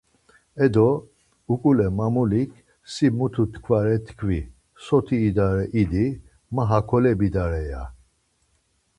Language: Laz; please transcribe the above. Edo, uǩule mamulik, Si mutu tkvare tkvi, soti idare idi, ma hakole bidare ya.